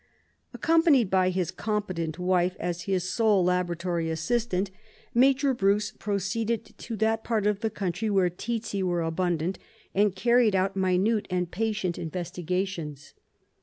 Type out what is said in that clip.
Accompanied by his competent wife as his sole laboratory assistant. Major Bruce proceeded to that part of the country where tsetse were abundant, and carried out minute and patient investigations.